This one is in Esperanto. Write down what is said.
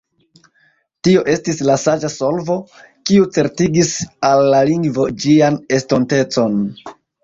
Tio estis la saĝa solvo, kiu certigis al la lingvo ĝian estontecon.